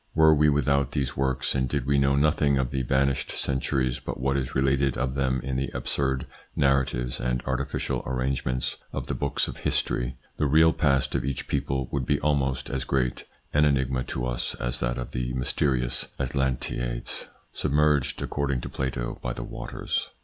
Were we without these works, and did we know nothing of the vanished centuries but what is related of them in the absurd narratives and arti ficial arrangements of the books of history, the real past of each people would be almost as great an enigma to us as that of the mysterious Atlantiades submerged, according to Plato, by the waters.